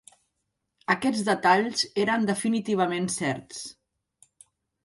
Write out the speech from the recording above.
Aquests detalls eren definitivament certs.